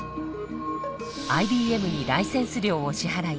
ＩＢＭにライセンス料を支払い